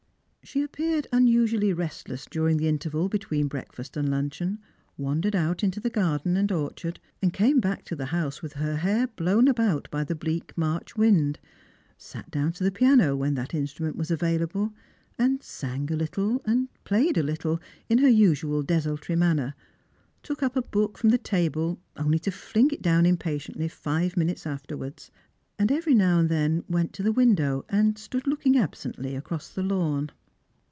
She appeared unusually restless during the interval between breakfast and luncheon; wandered out into the garden and orchard, and came back to the house with her hair blown about by the bleak March wind; sat down to the piano, when that in strument was available, and sang a little, and played a little, in her usual desultory manner; took up a book from the table, only to fling it down impatiently five minutes afterwards ; and every now and then went to the window, and stood looking absently across the lawn.